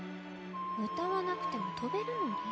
うたわなくてもとべるのに。